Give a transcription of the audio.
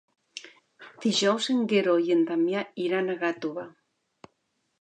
Dijous en Guerau i en Damià iran a Gàtova.